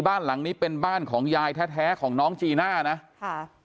บ้านหลังนี้เป็นบ้านของยายแท้แท้ของน้องจีน่านะค่ะ